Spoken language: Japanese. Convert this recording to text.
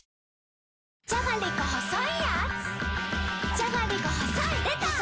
じゃがりこ細いやーつ